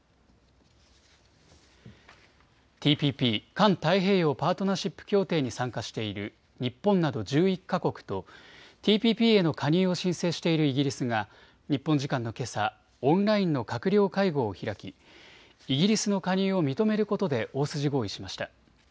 ＴＰＰ・環太平洋パートナーシップ協定に参加している日本など１１か国とＴＰＰへの加入を申請しているイギリスが日本時間のけさ、オンラインの閣僚会合を開きイギリスの加入を認めることで大筋合意しました。